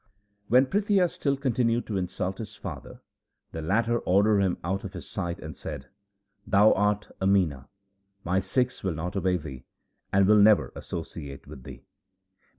1 When Prithia still continued to insult his father, the latter ordered him out of his sight, and said, ' Thou art a Mina 2 ; my Sikhs will not obey thee, and will never associate with thee.'